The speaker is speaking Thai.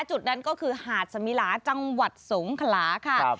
จุดนั้นก็คือหาดสมิลาจังหวัดสงขลาค่ะ